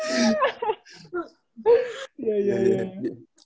iya kalau kita begitu emang